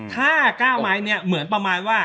ถ้า๙ไม้เนี่ยเหมือนประมาณว่า